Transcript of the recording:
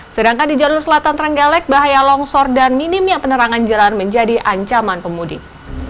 sedangkan di jalur selatan trenggalek bahaya longsor dan minimnya penerangan jalan menjadi ancaman pemudik